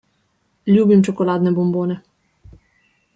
Ljubim čokoladne bombone.